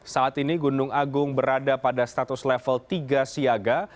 saat ini gunung agung berada pada status level tiga siaga